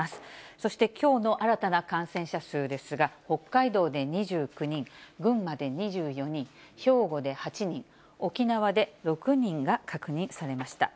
そして、きょうの新たな感染者数ですが、北海道で２９人、群馬で２４人、兵庫で８人、沖縄で６人が確認されました。